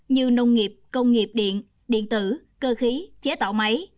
như nông nghiệp công nghiệp điện điện tử cơ khí chế tạo máy